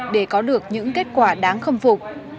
để có được những kết quả đáng khâm phục